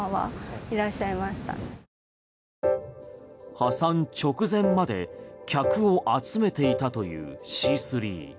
破産直前まで客を集めていたというシースリー。